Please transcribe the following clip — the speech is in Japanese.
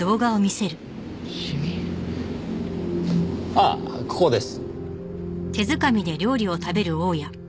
ああここです。